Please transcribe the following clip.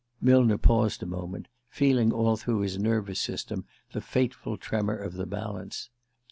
Millner paused a moment, feeling all through his nervous system the fateful tremor of the balance.